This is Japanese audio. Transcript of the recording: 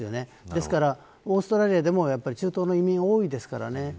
ですから、オーストラリアでも中東の移民が多いですからね。